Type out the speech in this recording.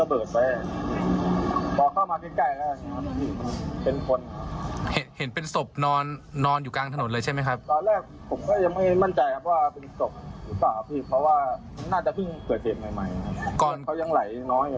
เพราะว่าน่าจะเพิ่งเกิดเหตุใหม่เพราะเขายังไหลน้อย